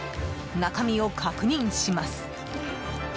中身を確認します。